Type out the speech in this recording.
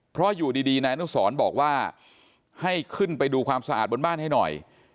เพราะอยู่ดีนายอนุสรบอกว่าให้ขึ้นไปดูความสะอาดบนบ้านให้หน่อย